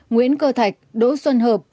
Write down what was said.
nguyễn cơ thạch đỗ xuân hợp